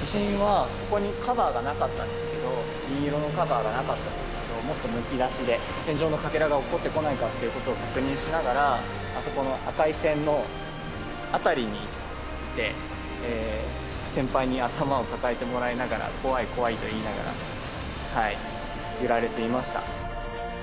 地震は、ここにカバーがなかったんですけど、銀色のカバーがなかったんですけど、もっとむき出しで、天井のかけらがおっこってこないかということを確認しながら、あそこの赤い線の辺りにいて、先輩に頭を抱えてもらいながら、怖い怖いと言いながら、揺られていました。